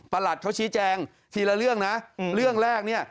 หลัดเขาชี้แจงทีละเรื่องนะเรื่องแรกเนี่ย